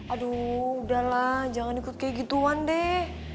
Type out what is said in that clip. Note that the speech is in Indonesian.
aduh udahlah jangan ikut kayak gituan deh